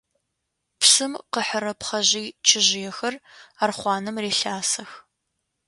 Псым къыхьырэ пхъэжъый-чыжъыехэр архъуанэм релъасэх.